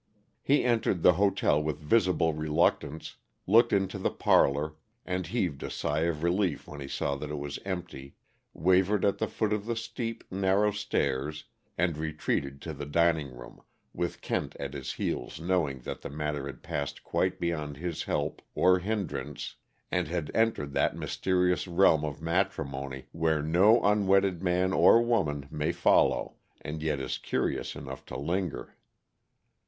He entered the hotel with visible reluctance, looked into the parlor, and heaved a sigh of relief when he saw that it was empty, wavered at the foot of the steep, narrow stairs, and retreated to the dining room, with Kent at his heels knowing that the matter had passed quite beyond his help or hindrance and had entered that mysterious realm of matrimony where no unwedded man or woman may follow and yet is curious enough to linger.